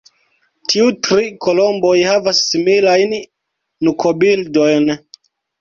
Tiu tri kolomboj havas similajn nukobildojn.